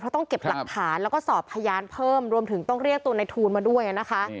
แล้วก็สอบพยานเพิ่มรวมถึงต้องเรียกตัวในทูลมาด้วยนะคะ